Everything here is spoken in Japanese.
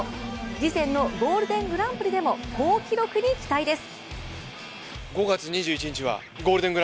次戦のゴールデングランプリでも好記録に期待です。